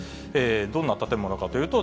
どんな建物かというと、